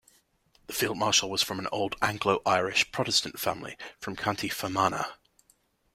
The Field Marshal was from an old Anglo-Irish Protestant family from County Fermanagh.